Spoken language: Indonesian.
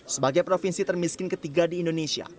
sebagai provinsi termiskin ketiga di indonesia